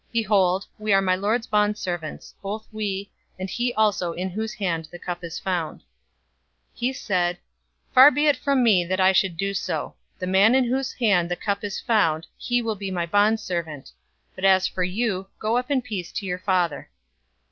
Behold, we are my lord's bondservants, both we, and he also in whose hand the cup is found." 044:017 He said, "Far be it from me that I should do so. The man in whose hand the cup is found, he will be my bondservant; but as for you, go up in peace to your father."